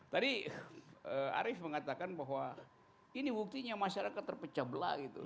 tadi arief mengatakan bahwa ini buktinya masyarakat terpecah belah gitu